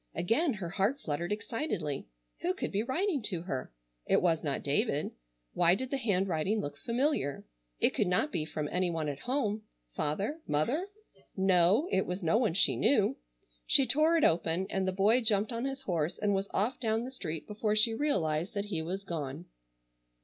Again her heart fluttered excitedly. Who could be writing to her? It was not David. Why did the handwriting look familiar? It could not be from any one at home. Father? Mother? No, it was no one she knew. She tore it open, and the boy jumped on his horse and was off down the street before she realized that he was gone.